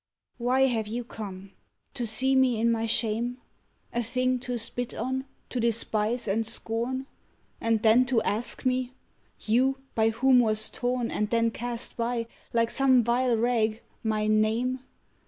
Why have you come? to see me in my shame? A thing to spit on, to despise and scorn? And then to ask me! You, by whom was torn And then cast by, like some vile rag, my name!